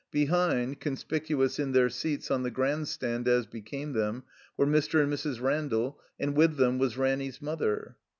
Behind, conspicuous in their seats on the Grand Stand as became them, were Mr. and Mrs. Randall, and with them was Ranny's mother.